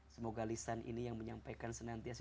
semoga lisan ini yang menyampaikan senantiasa